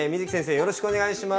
よろしくお願いします！